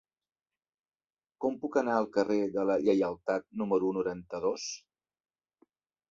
Com puc anar al carrer de la Lleialtat número noranta-dos?